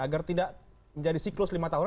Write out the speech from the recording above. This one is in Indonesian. agar tidak menjadi siklus lima tahunan